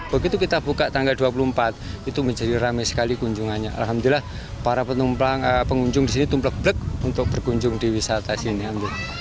begitu kita buka tanggal dua puluh empat itu menjadi rame sekali kunjungannya alhamdulillah para pengunjung di sini tumplek blek untuk berkunjung di wisata sini